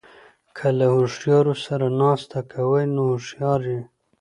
که له هوښیارو سره ناسته کوئ؛ نو هوښیار يې.